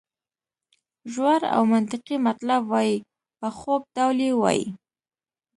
ژور او منطقي مطلب وایي په خوږ ډول یې وایي.